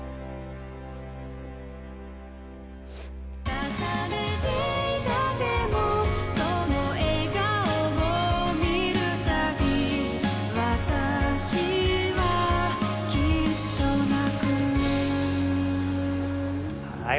重ねていた手もその笑顔も見る度私はきっと泣くはい